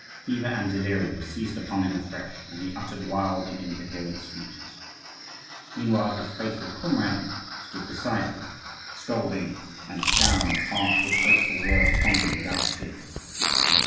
Fever and delirium seized upon him afresh, and he uttered wild and incoherent speeches. Meanwhile his faithful comrade stood beside him, scolding and showering harsh, reproachful words upon him without stint.